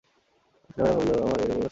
শুনিয়া উহারা ভাবিল, আমার এইরকমই দশা।